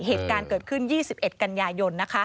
เหตุการณ์เกิดขึ้น๒๑กันยายน